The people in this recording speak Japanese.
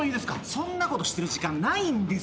そんなことしてる時間ないんですよ。